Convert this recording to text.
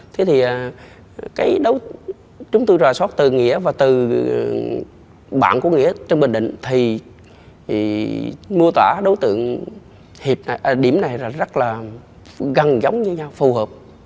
thế thì chúng tôi rà soát từ nghĩa và từ bạn của nghĩa trân bình định thì mô tả đối tượng điểm này rất là gần giống với nhau phù hợp